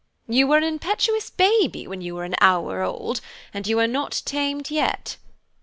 You were an impetuous baby when you were an hour old, and you are not tamed yet."